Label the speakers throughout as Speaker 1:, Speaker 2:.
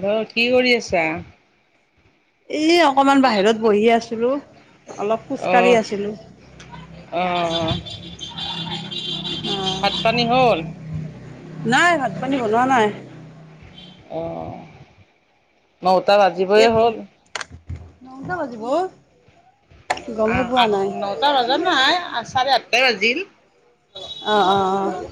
Speaker 1: Hello, কি কৰি আছা?
Speaker 2: এই অকমান বাহিৰত বহি আছিলো, অলপ
Speaker 1: অহ
Speaker 2: খোজকাঢ়ি আছিলো।
Speaker 1: অহ,
Speaker 2: অ',
Speaker 1: ভাত পানী হ'ল?
Speaker 2: নাই, ভাত পানী বনোৱা নাই।
Speaker 1: অ'।
Speaker 2: ঠিকে আছে, নটা বাজিব। গমেই
Speaker 1: অ',
Speaker 2: পোৱা
Speaker 1: আঠ,
Speaker 2: নাই
Speaker 1: নটা বাজা নাই, চাৰে-আঠটা বাজিল।
Speaker 2: অ', অ', অ'।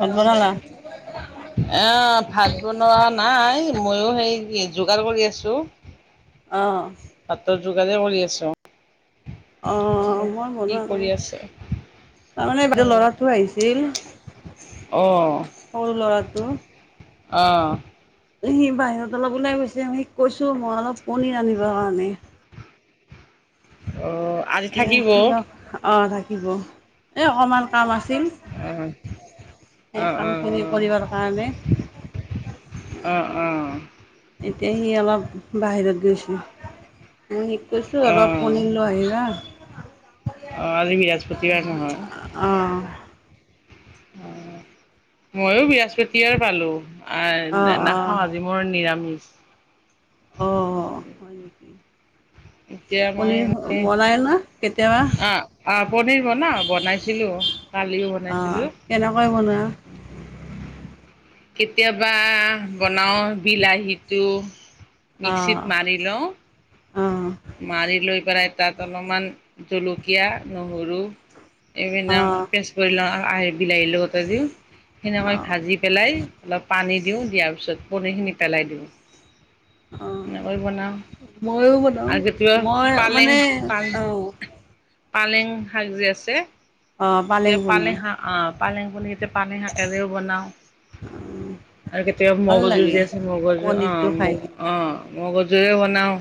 Speaker 2: ভাত বনালা [unintelligible]
Speaker 1: অ', ভাত বনোৱা নাই, ময়ো সেই যোগাৰ কৰি আছো।
Speaker 2: অ'।
Speaker 1: ভাতৰ যোগাৰে কৰি আছোঁ।
Speaker 2: অ', মই
Speaker 1: কি
Speaker 2: বনোৱা
Speaker 1: কৰি
Speaker 2: নাই,
Speaker 1: আছে?
Speaker 2: তাৰমানে বাইদেউৰ
Speaker 1: অহ
Speaker 2: ল'ৰাটো আহিছিল।
Speaker 1: অহ
Speaker 2: সৰু ল'ৰাটো।
Speaker 1: অ'।
Speaker 2: সি বাহিৰত অলপ ওলাই গৈছে, সিয়ক কৈছো মই অলপ পনীৰ আনিব কাৰণে।
Speaker 1: অ'।
Speaker 2: এতিয়া কিবা, অ' থাকিব, এ' অকমান কাম আছিল,
Speaker 1: অহ
Speaker 2: সেই কামখিনি কৰিবৰ কাৰণে
Speaker 1: অ', অ'।
Speaker 2: এতিয়া সি অলপ বাহিৰত গৈছে। মই সিক কৈছো অলপ পনীৰ লৈ আহিবা।
Speaker 1: অ', আজি বৃহস্পতিবাৰ নহয়।
Speaker 2: অ'।
Speaker 1: মইয়ো বৃহস্পতিবাৰ পালো,
Speaker 2: অ',
Speaker 1: আহ,
Speaker 2: অ',
Speaker 1: নাখাওঁ আজি মৰ নিৰামিষ।
Speaker 2: অ', হয় নেকি?
Speaker 1: এতিয়া, মই
Speaker 2: পনীৰ
Speaker 1: মানে
Speaker 2: বনাই ন কেতিয়াবা?
Speaker 1: অ', অ', পনীৰ বনাওঁ, বনাইছিঁলো, কালিও
Speaker 2: অ',
Speaker 1: বনাইছিলোঁ।
Speaker 2: কেনেকৈ বনোৱা?
Speaker 1: কেতিয়াবা বনাওঁ, বিলাহীটো মিক্সিত
Speaker 2: অ',
Speaker 1: মাৰি লওঁ।
Speaker 2: অ',
Speaker 1: মাৰি লৈ পেলাই, তাত অলপমান জলকীয়া নহৰু এই
Speaker 2: অ',
Speaker 1: পেটচ কৰি লওঁ, আৰু আহি বিলাহী লগতে দি, সেনেকৈ
Speaker 2: অ',
Speaker 1: ভাজি পেলাই, অলপ পানী দিওঁ, দিয়াৰ পিছত পনীৰখিনি পেলাই দিওঁ।
Speaker 2: অ',
Speaker 1: সেনেকৈ বনাওঁ।
Speaker 2: ময়ো বনাওঁ,
Speaker 1: আৰু কেতিয়াবা
Speaker 2: মই
Speaker 1: পালেং
Speaker 2: মানে
Speaker 1: পালেং
Speaker 2: আহ
Speaker 1: পালেং শাক যে আছে
Speaker 2: অ',
Speaker 1: এতিয়া
Speaker 2: পনীৰ
Speaker 1: পালেং শাক, আহ পালেং বুলি এতিয়া পালেং শাকেৰেও বনাওঁ। আৰু কেতিয়াবা
Speaker 2: ভাল
Speaker 1: মগজুৰ
Speaker 2: লাগে
Speaker 1: যে আছে, মগজুৰ
Speaker 2: পনীৰটো
Speaker 1: অ' ম
Speaker 2: খাই কিনে
Speaker 1: অ'। মগজুৰে বনাওঁ,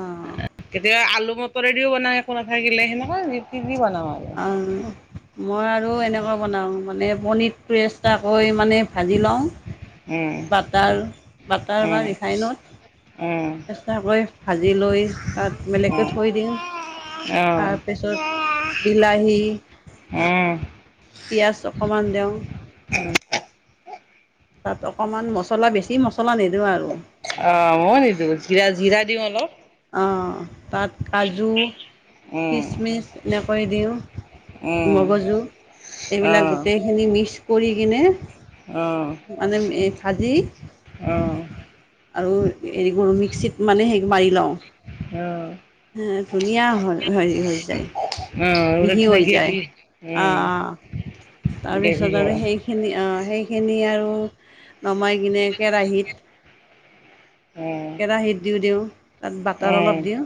Speaker 2: অ'।
Speaker 1: কেতিয়াবা আলু মতৰেডিঅ' বনাওঁ একো নাথাকিলে, সেনেকুৱা [unintelligible] বনাওঁ আৰু।
Speaker 2: উম, মই আৰু এনেকে বনাওঁ মানে পনীৰটো এক্সট্ৰাকৈ মানে ভাজি লওঁ,
Speaker 1: উম
Speaker 2: বাটাৰ, বাটাৰ বা
Speaker 1: উম
Speaker 2: ৰিফাইনত।
Speaker 1: উম
Speaker 2: এক্সট্ৰাকৈ ভাজি লৈ, তাত বেলেগকৈ থৈ দিওঁ। তাৰপিছত
Speaker 1: অ'।
Speaker 2: বিলাহী,
Speaker 1: উম
Speaker 2: পিয়াজ অকমান দেওঁ। তাত অকণমান মছলা, বেছি মছলা নিদিওঁ আৰু।
Speaker 1: অ', মইযও নিদিও, জিৰা জিৰা দিওঁ অলপ।
Speaker 2: অ', তাত কাজু
Speaker 1: [unintelligible]
Speaker 2: কিচমিচ এনেকৈ দিওঁ।
Speaker 1: উম
Speaker 2: মগজু এইবিলাক
Speaker 1: অহ
Speaker 2: গোটেইখিনি মিক্স কৰি কিনে
Speaker 1: অহ
Speaker 2: মানে এ ভাজি
Speaker 1: অহ
Speaker 2: আৰু হেৰি কৰোঁ মিক্সিত মানে সেই মাৰি লওঁ।
Speaker 1: অ'।
Speaker 2: হ ধুনীয়া হৈ হেৰি হৈ যায়।
Speaker 1: অহ
Speaker 2: মিহি
Speaker 1: ৰুটিত
Speaker 2: হৈ যায়,
Speaker 1: গেভি
Speaker 2: অ',
Speaker 1: উম
Speaker 2: অ',
Speaker 1: গেভি
Speaker 2: তাৰপিছত আৰু
Speaker 1: হয়
Speaker 2: সেই খিনি অ', সেইখিনি আৰু নমাই কিনে কেৰাহীত
Speaker 1: অ'।
Speaker 2: কেৰাাহীত দি দিওঁ, তাত বাটাৰ
Speaker 1: অ',
Speaker 2: অলপ দিওঁ।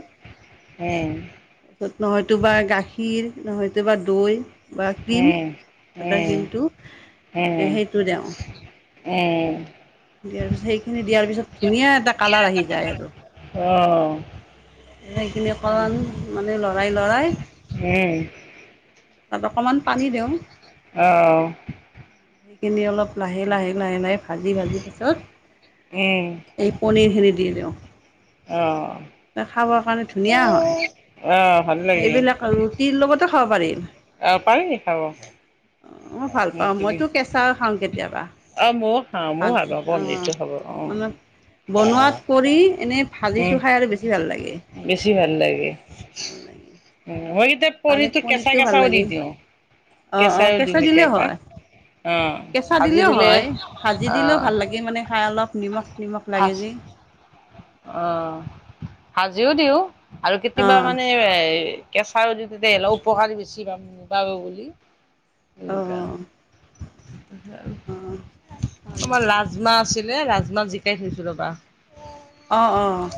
Speaker 1: উম,
Speaker 2: নহয়তো বা গাখীৰ নহয়তো বা দৈ। বা
Speaker 1: অ',
Speaker 2: ক্ৰীম বাটাৰ ক্ৰীমটো, সেইটো দিওঁ।
Speaker 1: উম।
Speaker 2: দিয়াৰ পিছত সেইখিনি দিয়াৰ পিছত ধুনীয়া এটা কালাৰ আহি যায় আৰু।
Speaker 1: অ'।
Speaker 2: সেইখিনি অকমান মানে লৰাই লৰাই
Speaker 1: উম।
Speaker 2: তাত অকণমান পানী দিওঁ।
Speaker 1: অ'।
Speaker 2: সেইখিনি অলপ লাহে লাহ লাহে লাহে ভাজি ভাজি পিছত। এই পনীৰ খিনি দি দিওঁ। খাবৰ কাৰণে ধুনীয়া হয়,
Speaker 1: ভাল লাগে
Speaker 2: এইবিলাক আৰু তিৰ ল'গটো খাব পাৰিম।
Speaker 1: অ', পাৰি খাব।
Speaker 2: অ', মই ভাল পাওঁ
Speaker 1: তুলি
Speaker 2: মইতো কেঁচাও খাওঁ কেতিয়াবা,
Speaker 1: অ', ময়ো খাওঁ ময়ো ভাল
Speaker 2: ভাজি
Speaker 1: পাওঁ
Speaker 2: অ'।
Speaker 1: পনীৰটো খাব অ', উম,
Speaker 2: মানে বনোৱাত কৰি এনেই ভাজিটো খাই আৰু বেছি ভাল লাগে।
Speaker 1: বেছি ভাল লাগে,
Speaker 2: ভাল লাগে
Speaker 1: মই কেতিয়াবা
Speaker 2: পালেক
Speaker 1: পনীৰটো কেঁচা
Speaker 2: ভাল
Speaker 1: কেঁচাও দি
Speaker 2: লাগে
Speaker 1: দিওঁ।
Speaker 2: অঁ অঁ
Speaker 1: কেঁচাইও দিও
Speaker 2: কেঁচা দিলেও
Speaker 1: কেতিয়াবা।
Speaker 2: হয়
Speaker 1: অ',
Speaker 2: কেঁচা
Speaker 1: ভাজি
Speaker 2: দিলেও
Speaker 1: দিলে
Speaker 2: হয়, ভাজি দিলেও
Speaker 1: অ',
Speaker 2: ভাল লাগে মানে খাই অলপ নিমখ নিমখ লাগে
Speaker 1: ভাজ
Speaker 2: যি।
Speaker 1: অ', ভাজিও দিওঁ। আৰু কেতিয়াবা
Speaker 2: অঁ
Speaker 1: মানে এই কেঁচাও যদি দিয়ে তেতিয়া হ'লে উপকাৰ বেছি পাম পাও বুলি
Speaker 2: অঁ
Speaker 1: এনেকা। [unintelligible]
Speaker 2: অঁ ভাল
Speaker 1: আমাৰ
Speaker 2: লাগে
Speaker 1: ৰাজমাহ আছিলে, ৰাজমাহ জিকাই থৈছো ৰ'বা।
Speaker 2: অ', অ'।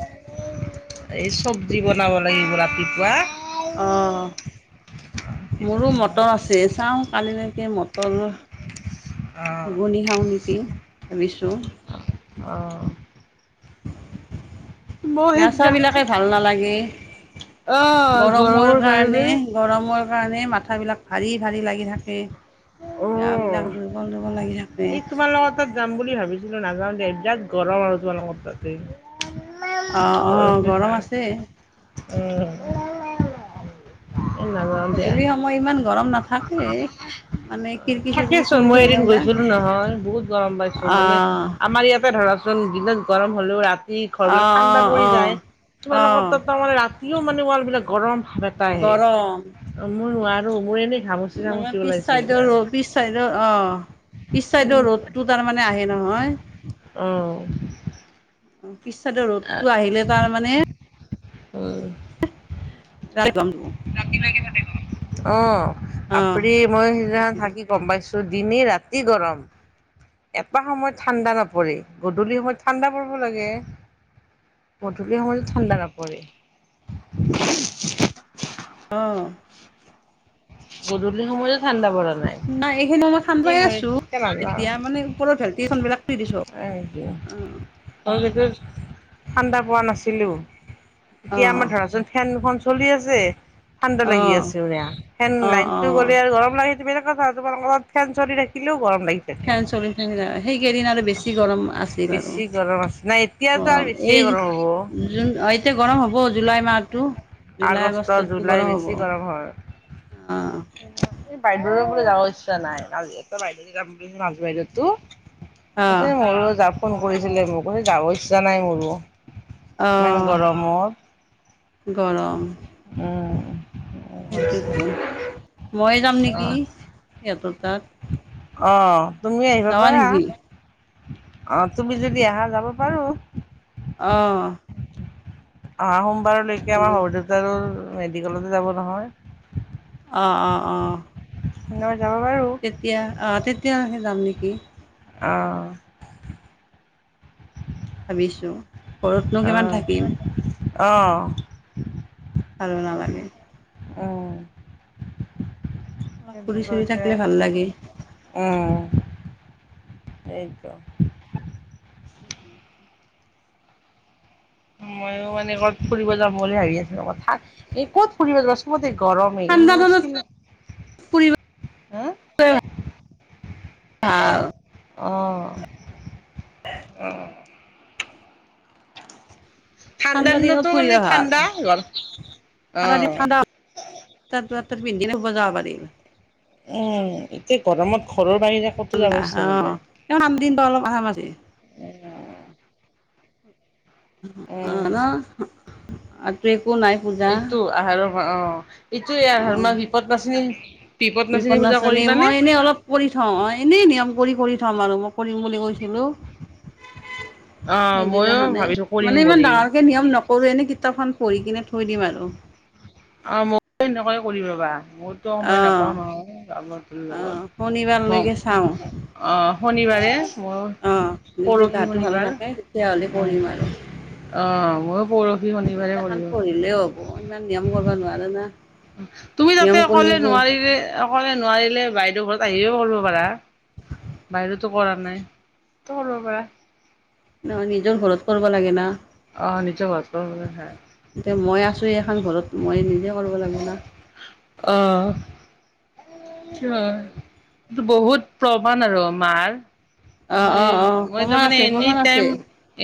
Speaker 1: এই চব্জি বনাব লাগিব ৰাতিপুৱা।
Speaker 2: অহ, মোৰো মটৰ আছে চাওঁ কালিলৈকে মটৰ
Speaker 1: অ',
Speaker 2: ঘূগুনি খাওঁ নেকি, ভাবিছো।
Speaker 1: অ'। মই
Speaker 2: গা চা
Speaker 1: সেইদিনা
Speaker 2: বিলাকে ভাল নালাগে, গৰমৰ কাৰণে। গৰমৰ কাৰণেই মাঠা বিলাক ভাৰী ভাৰী লাগি থাকে। গা বিলাক
Speaker 1: অ'।
Speaker 2: দুৰ্বল দুৰ্বল লাগি থাকে।
Speaker 1: এই তোমালোকৰ তাত যাম বুলি ভাবিছিলো নাযাওঁ দে বিৰাট গৰম তোমালোকৰ তাতে।
Speaker 2: অ অ
Speaker 1: ঘৰতে
Speaker 2: গৰম
Speaker 1: ভাল,
Speaker 2: আছে।
Speaker 1: উম। এই নাযাওঁ দিয়া।
Speaker 2: গধূলি সময় ইমান গৰম নাথাকে।
Speaker 1: অ
Speaker 2: মানে খিৰিকি চিৰকি
Speaker 1: থাকেচোন
Speaker 2: খুলি
Speaker 1: মই
Speaker 2: থৈ
Speaker 1: এদিন
Speaker 2: দিওঁ না
Speaker 1: গৈছিলো নহয় বহুত গৰম পাইছো মানে
Speaker 2: অঁ
Speaker 1: আমাৰ ইয়াতে ধৰা চোন দিনত গৰম হ'লেও ৰাতি ঘৰবিলাক ঠাণ্ডা
Speaker 2: অঁ অঁ
Speaker 1: পৰি
Speaker 2: অঁ
Speaker 1: যায়, তোমালোকৰ
Speaker 2: অঁ
Speaker 1: তাত তাৰমানে ৰা তিয় মানে ৱালবিলাক গৰম ভাৱ এটা আহে,
Speaker 2: গৰম
Speaker 1: আহ মই নোৱাৰো মোৰ এনে
Speaker 2: মানে পিছ চাইডৰ ৰ পিছ চাইডৰ অ। পিছ চাইডৰ ৰ'দটো তাৰমানে আহে নহয়।
Speaker 1: অহ।
Speaker 2: অ পিছ চাইডৰ ৰ'দটো আহিলে তাৰ মানে
Speaker 1: হম।
Speaker 2: অ'।
Speaker 1: অ, বাপৰে মই সিদিনা থাকি গম পাইছো দিনে ৰাতি গৰম। এটা সময়ত ঠাণ্ডা নপৰে, গধূলি সময়ত ঠাণ্ডা পৰিব লাগে। গধূলি সময়তো ঠাণ্ডা নপৰে।
Speaker 2: অহ।
Speaker 1: গধূলি সময়তো ঠাণ্ডা পৰা
Speaker 2: নাই এইখিনি মই খান্দুৱাই আছো
Speaker 1: শীতকাল আৰু ন
Speaker 2: এতিয়া মানে ওপৰত ভে কেইখনবিলাক [unintelligible] দিছো।
Speaker 1: এইটোৱে, মই কিন্তু ঠাণ্ডা পোৱা নাছিলোঁ। এতিয়া
Speaker 2: অ',
Speaker 1: আমাৰ ধৰাচোন ফেনখন চলি আছে, ঠাণ্ডা লাগি
Speaker 2: অ'।
Speaker 1: আছে মানে আ। ফেন
Speaker 2: অ',
Speaker 1: লাইনটো
Speaker 2: অ',
Speaker 1: গ'লে আৰু গৰম লাগে সেইটো বেলেগ কথা তোমালোকৰ ঘৰত ফেন চলি থাকিলেও গৰম লাগি থাকে
Speaker 2: ফেন চলি থাকি না সেইকেইদিন আৰু বেছি গৰম আছ
Speaker 1: বেছি গৰম আছে নাই এতিয়াতো আৰু
Speaker 2: এই
Speaker 1: বেছিয়ে গৰম হ'ব।
Speaker 2: জুন অ এতিয়া গৰম হ'ব জুলাই মাহটো জুলাই,
Speaker 1: আগষ্ট
Speaker 2: আগষ্টতো
Speaker 1: জুলাই
Speaker 2: গৰম হ'ব। অহ।
Speaker 1: এ বাইদেউৰো বোলে যাব ইচ্ছা নাই আজি এটা বাইদেউ যাম বুলি মাজু বাইদেউতো।
Speaker 2: অ'।
Speaker 1: কৈছে ময়ো যাম ফোন কৰিছিলে মোক কৈছে যাব ইচ্ছা নাই মোৰো। ইমান
Speaker 2: অহ
Speaker 1: গৰমত
Speaker 2: গৰম।
Speaker 1: উম উহ উ
Speaker 2: সিহঁতৰতো, মই যাম নেকি সিহঁতৰ তাত?
Speaker 1: অহ তুমি আহিব
Speaker 2: যাবা
Speaker 1: পাৰা।
Speaker 2: নেকি
Speaker 1: অ তুমি যদি আহা যাব পাৰো।
Speaker 2: অহ।
Speaker 1: অহা সোমবাৰলৈকে আমাৰ
Speaker 2: বোলো
Speaker 1: শশুৰ দেউতাৰৰ মেডিকেলতে যাব নহয়।
Speaker 2: অ 'অ' অ'।
Speaker 1: তেনেবা যাব পাৰো।
Speaker 2: তেতিয়া, অ', তেতিয়াহে যাম নেকি?
Speaker 1: অঁ।
Speaker 2: ভাবিছোঁ, ঘৰতনো কিমান থাকিম?
Speaker 1: অহঁ।
Speaker 2: ভাল নালাগে।
Speaker 1: অহ।
Speaker 2: অলপ ঘুৰি-চুৰি থাকিলে ভাল লাগে।
Speaker 1: উম, সেইটো। মইয়ো মানে ক'ত ফুৰিব যাম বুলি ভাবি আছিলোঁ হঠাৎ এই ক'ত ফুৰিব যাম চবতে গৰম।
Speaker 2: ঠাণ্ডা দিনত ফুৰিব
Speaker 1: [unintelligible] হা অ',
Speaker 2: ভাল
Speaker 1: অ'।
Speaker 2: [unintelligible] ঠাণ্ডা দিনত
Speaker 1: দিনতো মানে
Speaker 2: ফুৰিব ভাল,
Speaker 1: ঠাণ্ডা গল অ
Speaker 2: ঠাণ্ডা দিন ঠাণ্ডা [unintelligible] পিন্ধি যাব পাৰি।
Speaker 1: উম, এতিয়া গৰমত ঘৰৰ বাহিৰে ক'তো যাব
Speaker 2: ঠাণ্ডা
Speaker 1: ইচ্ছা নাযায়
Speaker 2: অ', তেওঁ [unintelligible] অলপ [unintelligible] অ',
Speaker 1: উম
Speaker 2: ন', আজিটো একো নাই পূজা
Speaker 1: এইটো আহাৰৰ পৰা অ'। এইটোৱে এইয়া
Speaker 2: অ'
Speaker 1: ধৰ্মাৰ বিপদ নাচিনী, বিপদ নাচিনী পূজা
Speaker 2: নাচনী মই
Speaker 1: কৰিবানে?
Speaker 2: এনেই অলপ কৰি থওঁ অ', এনেই নিয়ম কৰি কৰি থম আৰু মই কৰিম বুলি কৈছিলোঁ
Speaker 1: অ ময়ো
Speaker 2: সেইদিনাখনে,
Speaker 1: ভাবিছো কৰিম
Speaker 2: মানে ইমান
Speaker 1: বুলি
Speaker 2: ডাঙৰকে নিয়ম নকৰো, এনে কিতাপখন পঢ়ি কিনে থৈ দিম আৰু।
Speaker 1: অ', মইয়ো এনেকুৱাই কৰিম ৰবা, মই ত', মই
Speaker 2: আহ
Speaker 1: নাপাওঁ নহয় [unintelligible] লগত,
Speaker 2: আহ
Speaker 1: কওঁ।
Speaker 2: শনিবাৰলৈকে চাওঁ
Speaker 1: অঁ শনিবাৰে, মোৰ
Speaker 2: আহ যদি
Speaker 1: পৰহি
Speaker 2: গাটো ভালে
Speaker 1: শনিবাৰ
Speaker 2: থাকে তেতিয়াহ'লে
Speaker 1: অ
Speaker 2: কৰিম আৰু
Speaker 1: অ', মোৰ পৰহি শনিবাৰে পৰিব।
Speaker 2: মো ইমান নিয়ম কৰিব নোৱাৰোঁ না।
Speaker 1: তুমি তাতে
Speaker 2: নিয়ম কৰিলে
Speaker 1: অকলে
Speaker 2: এইবোৰ
Speaker 1: নোৱাৰিলে, অকলে নোৱাৰিলে, বাইদেউ ঘৰত আহিয়ো কৰিব পাৰা। বাইদেওতো কৰা নাই, তাতে কৰিব পাৰা।
Speaker 2: নহয়, নিজৰ ঘৰত কৰিব লাগে না।
Speaker 1: অ', নিজৰ ঘৰত কৰিব লাগে।
Speaker 2: এতিয়া মই আছো এখন ঘৰত, মই নিজে কৰিব লাগিব না।
Speaker 1: অ'। উম, সেইটো হয়, বহুত প্ৰমান আৰু মাৰ
Speaker 2: অ
Speaker 1: মই, মই,
Speaker 2: অ অ
Speaker 1: মই তাৰ
Speaker 2: প্ৰমাণ
Speaker 1: মানে
Speaker 2: আছে
Speaker 1: এনি
Speaker 2: প্ৰমাণ আছে
Speaker 1: টাইম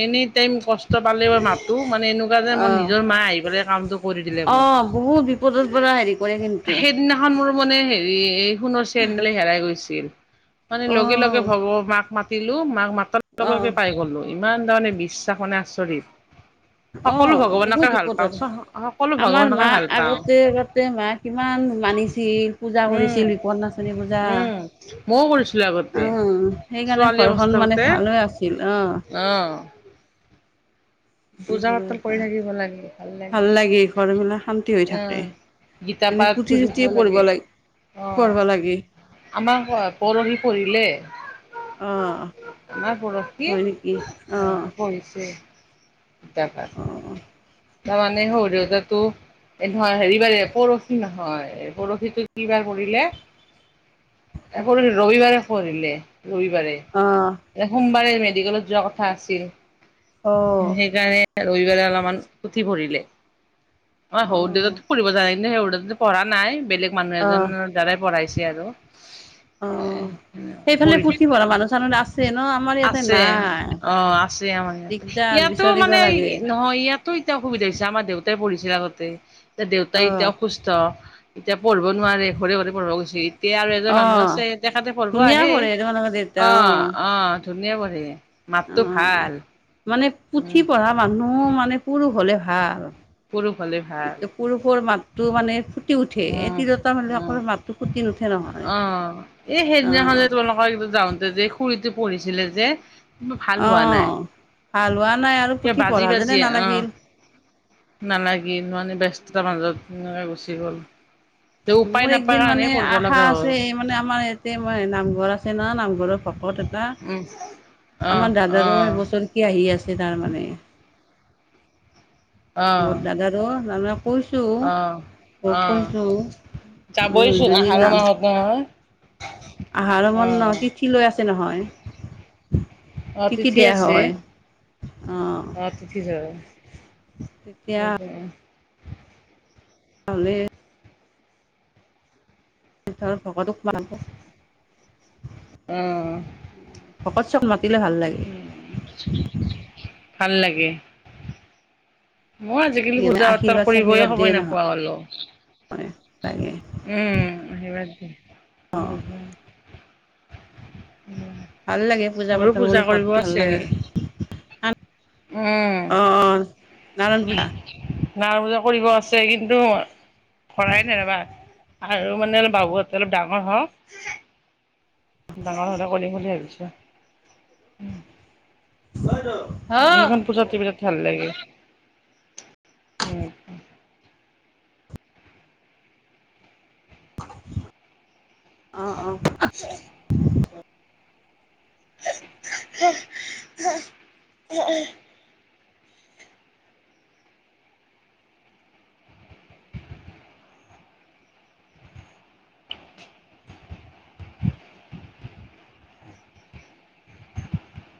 Speaker 1: এনি টাইম কষ্ট পালে মই মাত টো, মানে এনেকুৱা যে মোৰ
Speaker 2: অ
Speaker 1: নিজৰ মা আহি পেলাই কামটো কৰি দিলে মোক।
Speaker 2: অ', বহুত বিপদৰ পৰা হেৰি কৰে কিন্তু
Speaker 1: সেই সেইদিনাখন মোৰ মানে হেৰি, এই সোণৰ চেইন ডালে হেৰাই গৈছিল। মানে লগে লগে
Speaker 2: অ',
Speaker 1: ভব মাক মাতিলো, মাক মাতাৰ লগে লগে
Speaker 2: অ',
Speaker 1: পাই গলো। ইমান তাৰমানে বিশ্বাস মানে আচৰিত। সকলো
Speaker 2: অ', বহুত
Speaker 1: ভগৱানকে ভাল পাওঁ,
Speaker 2: বিপদত
Speaker 1: চ সকলো ভগৱানকে ভাল পাওঁ।
Speaker 2: গোটেই মাক কিমান মানিছিল, পূজা
Speaker 1: উম।
Speaker 2: কৰিছিল, বিকত নাচনী পূজা।
Speaker 1: উম ময়ো কৰিছিলো আগতে
Speaker 2: অ', সেইকাৰণে
Speaker 1: ছোৱালী
Speaker 2: ঘৰখন মানে ভাল হৈ আছিল অ'।
Speaker 1: অঁ।
Speaker 2: এইবোৰৰ
Speaker 1: পাতল কৰি
Speaker 2: পৰা
Speaker 1: থাকিব লাগে লাগে
Speaker 2: ভাল লাগি ঘৰবিলাক শান্তি হৈ থাকে।
Speaker 1: অহ। গীতা
Speaker 2: এনে
Speaker 1: পাঠ
Speaker 2: পুথি-চুথি পঢ়িব
Speaker 1: লাগে।
Speaker 2: লাগ
Speaker 1: অ
Speaker 2: পঢ়িব লাগে।
Speaker 1: আমাৰ হ পৰহি, পঢ়িলে।
Speaker 2: অ',
Speaker 1: আমাৰ পৰহি,
Speaker 2: হয় নেকি
Speaker 1: আহ
Speaker 2: অ',
Speaker 1: পঢ়িছে। [unintelligible] তাৰ
Speaker 2: অ',
Speaker 1: মানে শহুৰ দেউতাতোৰ নহয় হেৰিবাৰে পৰহি নহয় পৰহিটো কি বাৰ পৰিলে এই ৰবিবাৰে পৰিলে ৰবিবাৰে
Speaker 2: অ
Speaker 1: এ সোমবাৰে মেডিকেলত যোৱা কথা আছিল
Speaker 2: অ',
Speaker 1: সেই যায়ে সেইকাৰণে ৰবিবাৰে অলপমান উঠি ফুৰিলে আমাৰ শহুৰ
Speaker 2: অ',
Speaker 1: দেউতা ফুৰিব যাই মানে [unintelligible] পঢ়া নাই বেলেগ মানুহ
Speaker 2: অ',
Speaker 1: এজনৰ দ্বাৰাই পঢ়াইছে আৰু
Speaker 2: অ',
Speaker 1: এ
Speaker 2: অ'। সেইফালে
Speaker 1: পঢ়ি থাকক
Speaker 2: পুথিভঁৰা মানুহ চানুহ আছে ন' আমাৰ ইয়াতে
Speaker 1: আছে অ আছে আমাৰ
Speaker 2: নাই।
Speaker 1: ইয়াতে
Speaker 2: দাৰ বি
Speaker 1: ইয়াতো মানে নহয় ইয়াতো এতিয়া অসুবিধা হৈছে আমাৰ দেউতাই পঢ়িছিল আগতে। দেউতাই এতিয়া
Speaker 2: অ',
Speaker 1: অসুস্থ, এতিয়া পঢ়িব নোৱাৰে, ঘৰে ঘৰে পঢ়াব গৈছিল। এয়া আৰু এজন মানুহ
Speaker 2: অ'।
Speaker 1: আছে তেখেতে পঢ়িব
Speaker 2: ধুনীয়া
Speaker 1: আহে,
Speaker 2: পঢ়ে তোমালোকৰ দেউতা
Speaker 1: অ', অ'। ধুনীয়া পঢ়ে, মাতটো
Speaker 2: অ'।
Speaker 1: ভাল।
Speaker 2: মানে পুথি
Speaker 1: উম
Speaker 2: পঢ়া মানুহ মানে পুৰুষ হ'লে ভাল।
Speaker 1: পুৰুষ হলে ভাল
Speaker 2: এয়া পুৰুষৰ মাতটো মানে ফুটি উঠে, এই
Speaker 1: উম
Speaker 2: তিৰোতা মানুহে
Speaker 1: উম
Speaker 2: পঢ়িলে মাতটো ফুট
Speaker 1: অ', এই সেইদিনাখন
Speaker 2: অ',
Speaker 1: যে তোমালোকৰ যাওঁতে যে খুৰীটো পঢ়িছিলে যে ভাল হোৱা নাই
Speaker 2: অ' ভাল হোৱা নাই আৰু
Speaker 1: কিবা
Speaker 2: পুথি
Speaker 1: বাজি
Speaker 2: পঢ়া
Speaker 1: বাজি
Speaker 2: যেনে
Speaker 1: অ
Speaker 2: নালাগিল।
Speaker 1: নালাগিল মানে ব্যস্ততাৰ মাজত এ, গুচি গ'ল। তে উপায়
Speaker 2: মোৰ
Speaker 1: নাপায়
Speaker 2: একদিন
Speaker 1: কাৰণে
Speaker 2: মানে
Speaker 1: পঢ়িব
Speaker 2: আশা
Speaker 1: লগা হ'ল।
Speaker 2: আছে মানে আমাৰ ইয়াত তে মই নামঘৰ আছে ন' নামঘৰৰ ভকত এটা,
Speaker 1: উম, অহ,
Speaker 2: আমাৰ দাদাৰো
Speaker 1: অহ,
Speaker 2: এবছৰ কি আহি আছে তাৰমানে।
Speaker 1: অহ,
Speaker 2: মোৰ দাদাৰো, তাৰমানে কৈছোঁ
Speaker 1: অহ।
Speaker 2: মোক
Speaker 1: অহ,
Speaker 2: কৈছোঁ। মোৰ
Speaker 1: যাবইচোন,
Speaker 2: যদি
Speaker 1: আহাৰৰ মাহত নহয়।
Speaker 2: আহাৰৰ বন্ধ
Speaker 1: অহ,
Speaker 2: তিথি লৈ আছে নহয়।
Speaker 1: অহ,
Speaker 2: তিথিতে হয়। অঁ
Speaker 1: অ' তিথিতে,
Speaker 2: তেতিয়া
Speaker 1: সেইটোৱে।
Speaker 2: ভালেই। তাৰ ভকতো [unintelligible]
Speaker 1: অহ,
Speaker 2: ভকত চব মাতিলে ভাল লাগে।
Speaker 1: ভাল লাগে। মই আজিকালি পূজা পতাৰ
Speaker 2: আশীৰ্বাদ
Speaker 1: কৰিবয়ে সময় নোপোৱা হ'লো।
Speaker 2: হয় তাকে।
Speaker 1: উম [unintelligible]
Speaker 2: ভাল লাগে পূজা
Speaker 1: মোৰো
Speaker 2: পাতল বুলি
Speaker 1: কৰিব
Speaker 2: ঘৰটো ভাল
Speaker 1: আছে।
Speaker 2: লাগে। অঁ অঁ নাৰায়ণ
Speaker 1: উম।
Speaker 2: পূজা
Speaker 1: নাৰ পূজা কৰিব আছে কিন্তু কৰাই নাই ৰ'বা আৰু মানে অলপ বাবুহতে অলপ ডাঙৰ হওক। ডাঙৰ হ'লে কৰিম বুলি ভাবিছোঁ।
Speaker 2: [unintelligible]
Speaker 1: সেইখন পূজাত এইবিলাক ভাল লাগে অ'।
Speaker 2: অ', অ'।
Speaker 1: [inaudible] [inaudible]